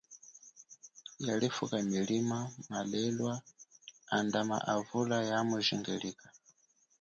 Yalifuka milima, malelwa andama avula ya mujingilika.